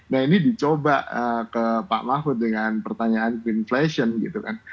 nah ini dicoba ke pak mahfud dengan pertanyaan green flation gitu kan